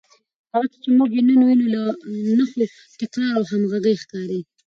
هغه څه چې موږ یې نن وینو، له نښو، تکرار او همغږۍ ښکاري